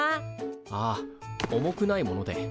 ああ重くないもので。